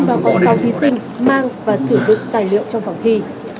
trong đó còn sáu thí sinh mang và sử dụng tài liệu trong phòng thi